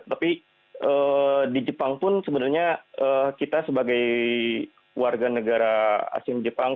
tapi di jepang pun sebenarnya kita sebagai warga negara asing jepang